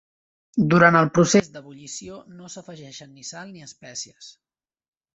Durant el procés d'ebullició no s'afegeixen ni sal ni espècies.